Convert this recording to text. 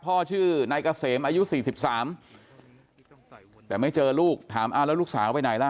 พ่อชื่อนายกาเสมอายุ๔๓แต่ไม่เจอลูกถามลูกสาวเข้าไปไหนล่ะ